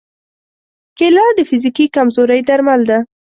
کېله د فزیکي کمزورۍ درمل ده.